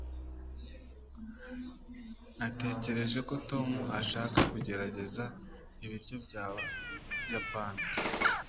natekereje ko tom ashaka kugerageza ibiryo byabayapani